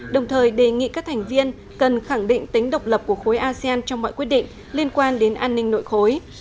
đồng thời đề nghị các thành viên cần khẳng định tính độc lập của khối asean trong mọi quyết định liên quan đến an ninh nội khối